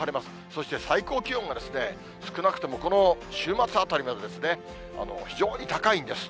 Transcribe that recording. そして最高気温が、少なくともこの週末あたりまで、非常に高いんです。